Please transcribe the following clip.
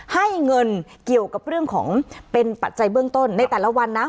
ให้เงินเกี่ยวกับเรื่องของเป็นปัจจัยเบื้องต้นในแต่ละวันนะ